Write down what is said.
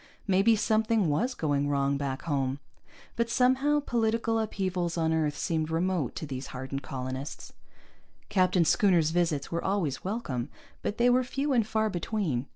Maybe something was going wrong back home. But somehow political upheavals on Earth seemed remote to these hardened colonists. Captain Schooner's visits were always welcome, but they were few and far between.